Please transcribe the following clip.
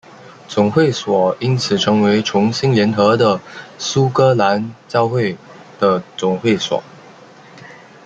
总会所因此成为重新联合的苏格兰教会的总会所。